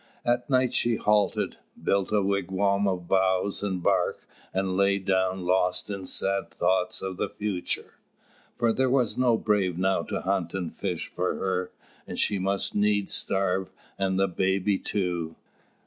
At night she halted, built a wigwam of boughs and bark, and lay down, lost in sad thoughts of the future; for there was no brave now to hunt and fish for her, and she must needs starve and the baby too.